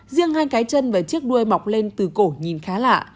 riêng hai cái chân và chiếc đuôi mọc lên từ cổ nhìn khá lạ